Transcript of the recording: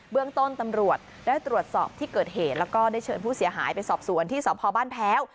เรื่องต้นตำรวจได้ตรวจสอบที่เกิดเหตุแล้วก็ได้เชิญผู้เสียหายไปสอบสวนที่สพบ้านแพ้ว